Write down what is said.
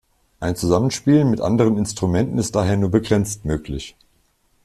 Ein Zusammenspielen mit anderen Instrumenten ist daher nur begrenzt möglich.